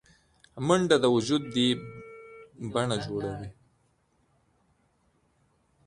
منډه د وجود د بڼه جوړوي